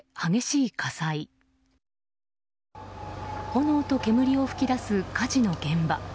炎と煙を噴き出す火事の現場。